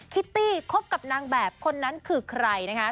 ิตตี้คบกับนางแบบคนนั้นคือใครนะคะ